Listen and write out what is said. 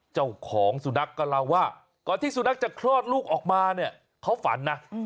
เจ้าของสุนัขก็เล่าว่าก่อนที่สุนัขจะคลอดลูกออกมาเนี่ยเขาฝันนะ